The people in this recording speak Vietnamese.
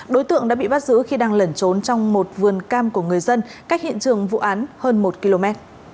đối tượng đã bị bắt giữ khi đang lẩn trốn trong một vườn cam của người dân cách hiện trường vụ án hơn một km